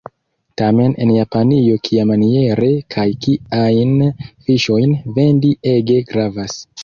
Tamen en Japanio kiamaniere kaj kiajn fiŝojn vendi ege gravas.